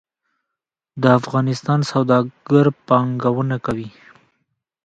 د افغانستان سوداګر پانګونه کوي